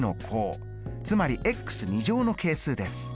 つまりの係数です。